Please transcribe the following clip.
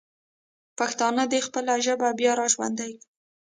پښتانه دې خپله ژبه بیا راژوندی کړي.